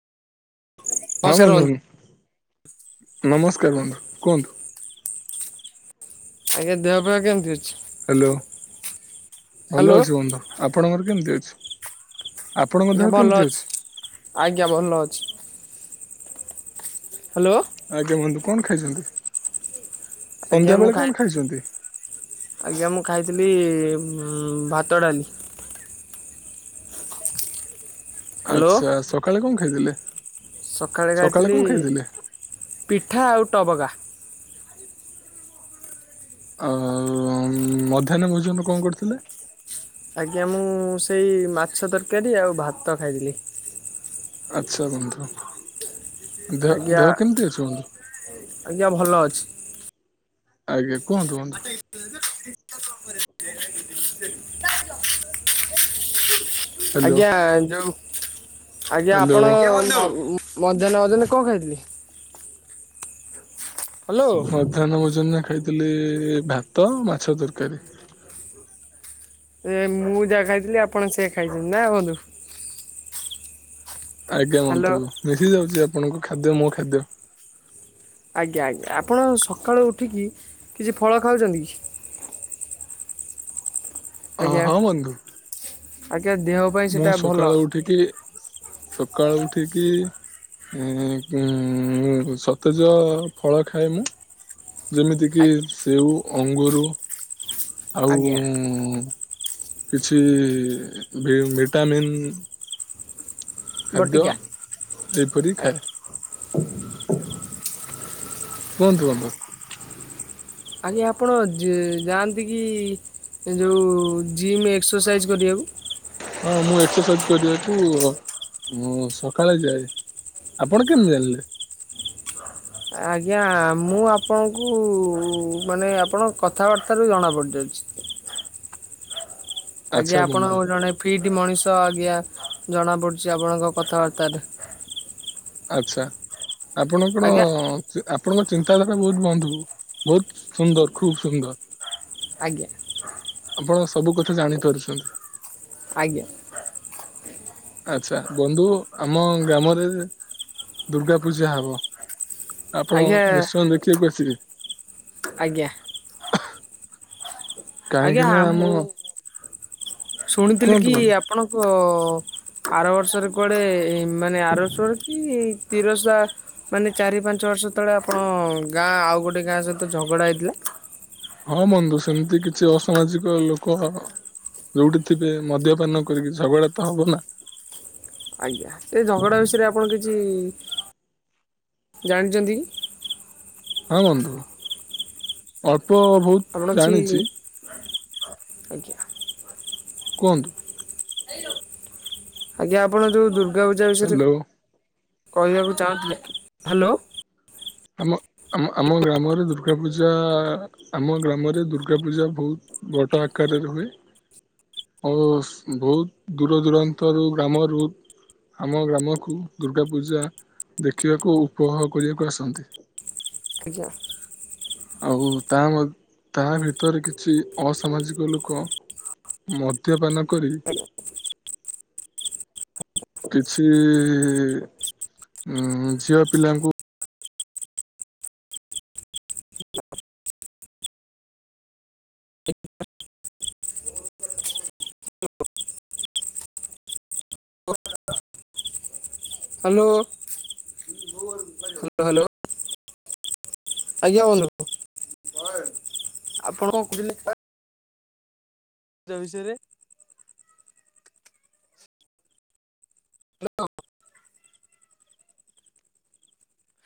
ହଁ ବନ୍ଧୁ ନମସ୍କାର ବନ୍ଧୁ କୁହନ୍ତୁ। ଆଜ୍ଞା ଦେହ ବେ କେମିତି ଅଛି? ହ୍ୟାଲୋ ଭଲ ହ୍ୟାଲୋ ଅଛି କିନ୍ତୁ ଆପଣଙ୍କର କେମତି ଅଛି? ଆପଣଙ୍କ ଦେହ ଭଲ କେମିତି ଅଛି। ଆଜ୍ଞା ଭଲ ଅଛି ହ୍ୟାଲୋ। ଆଜ୍ଞା ବୁନ୍ତୁ କଣ ଖାଇଛନ୍ତି ଆଜ୍ଞା ସନ୍ଧ୍ୟା ମୁଁ ବେଳେ କଣ ଖାଇଥିଲି ଖାଇଛନ୍ତି? ଆଜ୍ଞା ମୁଁ ଖାଇଥିଲି ଭାତ ଡାଲି ହ୍ୟାଲୋ ଆଚ୍ଛା ସକାଳେ କଣ ଖାଇଥିଲେ? ସକାଳେ ଖାଇଥିଲି କଣ ଖାଇଥିଲେ? ପିଠା ଆଉ ଟବକା। ଆଉ ମଧ୍ୟାହ୍ନ ମୋଜୁନ କଣ କରିଥିଲେ? ଆଜ୍ଞା ମୁଁ ସେଇ ମାଛ ତରକାରୀ ଆଉ ଭାତ ଖାଇଥିଲି। ଆଚ୍ଛା ବନ୍ଧୁ ଦେହ ଆଜ୍ଞା ଦେହ କେମିତି ଅଛି ବନ୍ଧୁ। ଆଜ୍ଞା ଭଲ ଅଛି। ଆଜ୍ଞା କୁହନ୍ତୁ କୁହନ୍ତୁ। ହ୍ୟାଲୋ ଆଜ୍ଞା ଯୋଉ ଆଜ୍ଞା ହ୍ୟାଲୋ ଆପଣ ମଧ୍ୟାହ୍ନ ଭୋଜନ ଜନ କଣ ଖାଇଥିଲଥିଲେ ହ୍ୟାଲୋ ମଧ୍ୟାହ୍ନ ଭୋଜନରେ ଖାଇଥିଲି ଭାତ ଓ ମାଛ ତରକାରୀ ଏ ମୁଁ ଯାହା ଖାଇଥିଲି ଆପଣ ସେ ଖାଇଛନ୍ତି ନା ହୁଅନ୍ତୁ। ଆଜ୍ଞା ହ୍ୟାଲୋ ମନ୍ତୁ ଦେଖି ଯାଉଛି ଆପଣଙ୍କ ଖାଦ୍ୟ ମୋ ଖାଦ୍ୟ ଆଜ୍ଞା ଆଜ୍ଞା ଆପଣ ସକାଳୁ ଉଠିକି କିଛି ଫଳ ଖାଉଛନ୍ତି କି ଆଜ୍ଞା ହଁ ବନ୍ଧୁ ଆଜ୍ଞା ଦେହ ପାଇଁ ମୁଁ ସେଟା ଭଲ ସକାଳୁ ଉଠିକି ସକାଳୁ ଉଠିକି ସତେଜ ଫଳ ଖାଏ ନା ଯେମିତି କିି ଆଜ୍ଞା ସେଉ ଅଙ୍ଗୁରୁ ଆଉ ଆଜ୍ଞା କିଛି ଭିଟାମିନ୍ ଖାଦ୍ୟ ବଟିକା ଏହିପରି ଆଜ୍ଞା ଖାଦ୍ୟ। କୁହନ୍ତୁ କୁହନ୍ତୁ ଆଜି ଆପଣ ଯାଆନ୍ତି କି ଏ ଯୋଉ ଜିମ୍ ଏକ୍ସରସାଇଜ କରିବାକୁ। ହଁ ମୁଁ ଏକ୍ସରସାଇଜ କରିବାକୁ ସକାଳେ ଯାଏ। ଆପଣ କେମିତି ଜାଣିଲେ। ଆଜ୍ଞା ମୁଁ ଆପଣଙ୍କୁ ମାନେ ଆପଣଙ୍କ କଥାବାର୍ତ୍ତାାରୁ ଜଣା ପଡ଼ିଯାଉଛି। ଆଚ୍ଛା ଆଜ୍ଞା ବନ୍ଧୁ ଆପଣଙ୍କୁ ଜଣେ ଫିଟ ମଣିଷ ଆଜ୍ଞା ଜଣା ପଡୁଛି ଆପଣଙ୍କ କଥାବାର୍ତ୍ତାରେ। ଆଚ୍ଛା ଆପଣଙ୍କର। ଆଜ୍ଞା ଆପଣଙ୍କ ଚିନ୍ତାଧାରା ବହୁତ ବନ୍ଧୁ ବହୁତ ସୁନ୍ଦର ଖୁବ ସୁନ୍ଦର। ଆଜ୍ଞା। ଆପଣ ସବୁ କଥା ଜାଣିପାରୁଛନ୍ତି। ଆଜ୍ଞା। ଆଚଛା ବନ୍ଧୁ ଆମ ଗ୍ରାମରେ ଦୁର୍ଗା ପୂଜା ହବ। ଆପଣ ଆଜ୍ଞା ନିଶ୍ଚୟ ଦେଖିବାକୁ ଆସିବେ। ଆଜ୍ଞା। କାହିଁକି ଆଜ୍ଞା ନା ଆମ ମୁଁ ଶୁଣିଥିଲି କୁହନ୍ତୁ କି ବନ୍ଧୁ ଆପଣଙ୍କ। ଆର ବର୍ଷରେ କୁଆଡେ ମାନେ ଆରଷଆଡ କି ତିରସା। ମାନେ ଚାରି ପାଞ୍ଚ ବର୍ଷ ତଳେ ଆପଣ ଗାଁ ଆଉ ଗୋଟେ ଗାଁ ସହିତ ଝଗଡା ହେଇଥିଲା। ହଁ ବନ୍ଧୁ ସେମିତି କିଛି ଅସାମାଜିକ ଲୋକ। ଯୋଉଠି ଥିବେ ମଦ୍ୟପାନ କରିକି ଝଗଡା ତ ହବ ନା। ଆଜ୍ଞା ସେ ଝଗଡ଼ା ବିଷୟରେ ଆପଣ କିଛି ଜାଣିଛନ୍ତି। ହଁ ବୁନ୍ନ୍ତୁ। ଅଳ୍ପ। ଆମର ଅଛି ଜାଣିଛି ଆଜ୍ଞା। କୁହନ୍ତୁ। ହ୍ୟାଲୋ। ଆଜ୍ଞା ଆପଣ ଯେଉଁ ଦୁର୍ଗା ପୂଜା ବିଷୟରେ ହ୍ୟାଲୋ କହିବାକୁ ଚାହୁଁଥିଲେ ହ୍ୟାଲୋ। ଆମ ଆମ ଆମ ଗ୍ରାମରେ ଦୁର୍ଗା ପୂଜା। ଆମ ଗ୍ରାମରେ ଦୁର୍ଗା ପୂଜା ବହୁତ ବଡ଼ ଆକାରରେ ହୁଏ। ଓ ବହୁତ ଦୂର ଦୂରାନ୍ତରୁ ଗ୍ରାମରୁ। ଆମ ଗ୍ରାମକୁ ଦୁର୍ଗା ପୂଜା ଦେଖିବାକୁ ଉପଭୋଗ କରିବାକୁ ଆସନ୍ତି। ଆଜ୍ଞା। ଆଉ ତା ତା ଭିତରେ କିଛି ଅସାମାଜିକ ଲୋକ। ମଦ୍ୟପାନ କରି। କିଛି ଇ। ଉଁ ଝିଅ ପିଲାଙ୍କୁ [inaudible] ହ୍ୟାଲୋ। [inaudible] Hello hello. ଆଜ୍ଞା କହନ୍ତୁ। ଆପଣ କଣ କହୁଥିଲେ? ଯୋ ବିଷୟରେ ହ୍ୟାଲୋ।